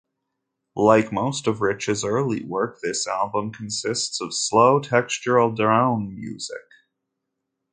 Like most of Rich's early work, this album consists of slow, textural drone music.